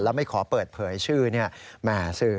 แล้วไม่ขอเปิดเผยชื่อแหม่สื่อ